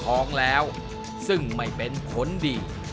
พร้อมพลองแล้วซึ่งไม่เป็นคนดี